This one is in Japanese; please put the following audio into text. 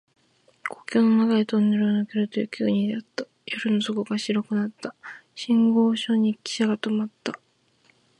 国境の長いトンネルを抜けると雪国であった。夜の底が白くなった。信号所にきしゃが止まった。